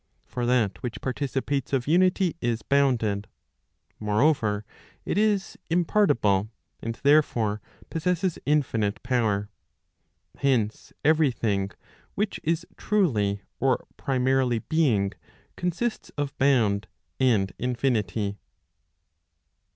For that which participates of unity is bounded. Moreover, it i? impartible, and therefore possesses infinite power. Hence every thing which is truly £or primarily] being consists of bound and infinity.